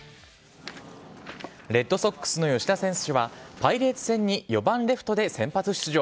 レッドソックスの吉田選手は、パイレーツ戦に４番レフトで先発出場。